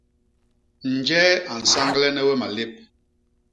Njee a nsañglene we malép?